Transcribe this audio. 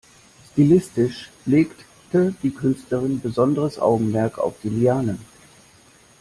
Stilistisch legte die Künstlerin besonderes Augenmerk auf die Lianen.